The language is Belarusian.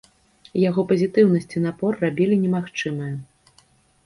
Яго пазітыўнасць і напор рабілі немагчымае.